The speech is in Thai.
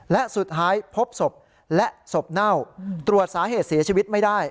และสุดท้ายพบศพและศพเน่าตรวจสาเหตุเสียชีวิตไม่ได้